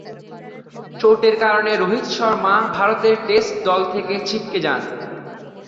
চোটের কারণে রোহিত শর্মা ভারতের টেস্ট দল থেকে ছিটকে যান।